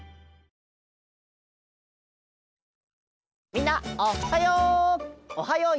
みんなおっはよう！